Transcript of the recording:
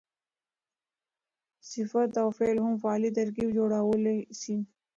صفت او فعل هم فعلي ترکیب جوړولای سي.